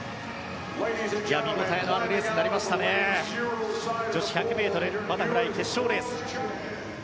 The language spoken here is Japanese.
見ごたえのあるレースになりました女子１００ｍバタフライ決勝レース。